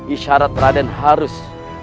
isyarat raden harus